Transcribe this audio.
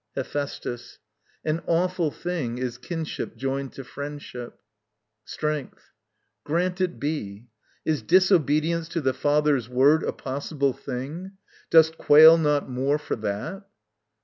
Hephæstus. An awful thing Is kinship joined to friendship. Strength. Grant it be; Is disobedience to the Father's word A possible thing? Dost quail not more for that?